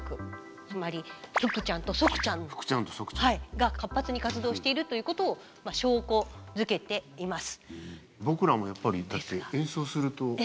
つまり腹ちゃんと側ちゃんが活発に活動しているということを証拠づけています。